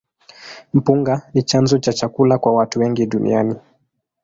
Mpunga ni chanzo cha chakula kwa watu wengi duniani.